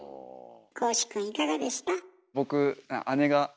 恒司くんいかがでした？